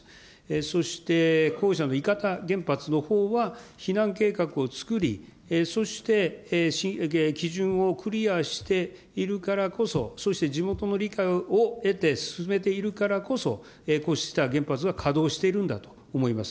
そして、後者の伊方原発のほうは、避難計画をつくり、そして基準をクリアしているからこそ、そして地元の理解を得て進めているからこそ、こうした原発が稼働しているんだと思います。